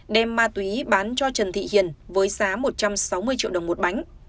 đem ma túy bán cho trần thị hiền với giá một trăm sáu mươi triệu đồng một bánh